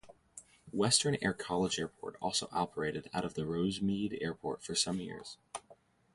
Western Air College Airport also operated out of the Rosemead Airport for some years.